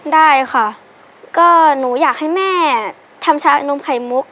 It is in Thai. ได้ค่ะก็หนูอยากให้แม่ทำชานมไข่มุก